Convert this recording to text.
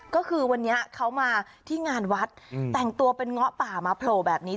ก็คือวันนี้เขามาที่งานวัดแต่งตัวเป็นเงาะป่ามาโผล่แบบนี้